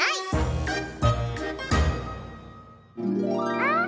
あ！